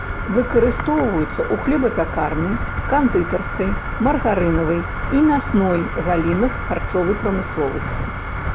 Выкарыстоўваюцца ў хлебапякарнай, кандытарскай, маргарынавай і мясной галінах харчовай прамысловасці.